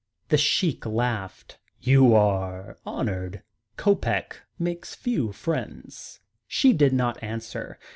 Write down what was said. The Sheik laughed. "You are honoured. Kopec makes few friends." She did not answer.